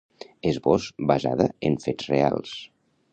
Esbós: Basada en fets reals.